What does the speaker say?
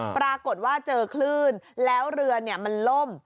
ปรากฏว่าเจอคลื่นแล้วเรือมันล่ม